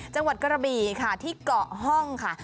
จังหวัดกระบี่ค่ะที่เกาะห้องค่ะ